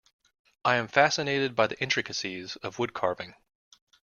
I am fascinated by the intricacies of woodcarving.